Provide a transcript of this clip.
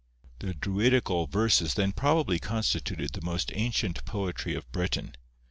The Druidical verses then probably constituted the most ancient poetry of Britain.